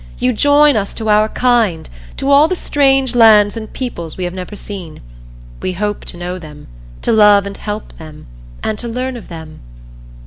You join us to our kind to all the strange lands and peoples we have never seen. We hope to know them to love and help them and to learn of them.